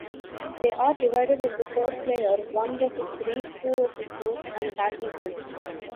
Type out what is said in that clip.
They are divided into four-player, one versus three, two versus two, and battle games.